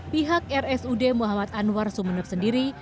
pihak rsud muhammad anwar sumeneb sendiri